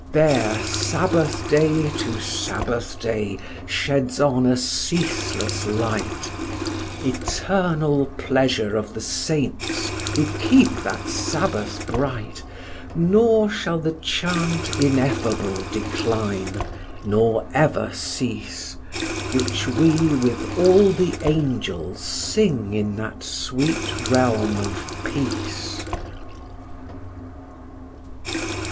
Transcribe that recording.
There Sabbath day to Sabbath day sheds on a ceaseless light, Eternal pleasure of the saints who keep that Sabbath bright; Nor shall the chant ineffable decline, nor ever cease, Which we with all the angels sing in that sweet realm of peace.